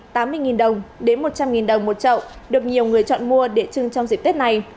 đến một trăm linh đồng một trậu được nhiều người chọn mua để trưng trong dịp tết này